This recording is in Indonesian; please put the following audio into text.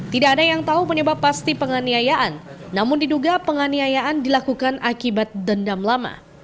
tidak ada yang tahu penyebab pasti penganiayaan namun diduga penganiayaan dilakukan akibat dendam lama